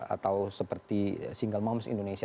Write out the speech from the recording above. atau seperti single moms indonesia